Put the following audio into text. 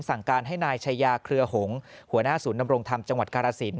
สั่งการให้นายชายาเครือหงษ์หัวหน้าศูนย์นำรงธรรมจังหวัดกาลสิน